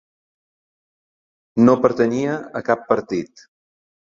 No pertanyia a cap partit.